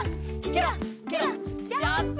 ケロッケロッジャンプ！